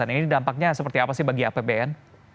ini dampaknya seperti apa sih bagi apbn